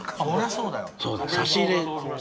そうだ差し入れ。